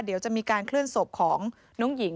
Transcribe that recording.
เดี๋ยวจะมีการเคลื่อนศพของน้องหญิง